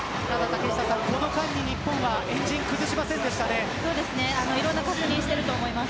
しかし日本は円陣を崩しませんでした。